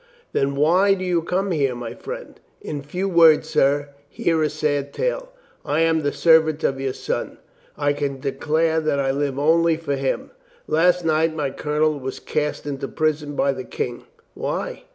"Then why do you come here, my friend?" "In few words, sir, hear a sad tale. I am the servant of your son. I can declare that I live only for him. Last night my colonel was cast into prison by the King. Why?